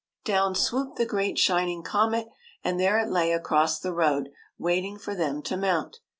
Down swooped the great shining comet, and there it lay across the road, waiting for them to mount.